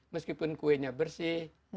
meskipun kuenya bersih